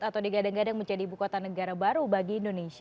atau digadang gadang menjadi ibu kota negara baru bagi indonesia